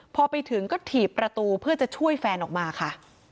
พอไปถึงก็ถีบประตูเพื่อจะช่วยแฟนออกมาค่ะ